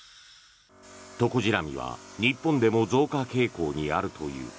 トコジラミは日本でも増加傾向にあるという。